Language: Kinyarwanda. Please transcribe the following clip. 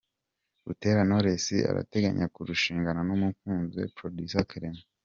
Butera Knowless arateganya kurushingana n’umukunzi we Producer Clement.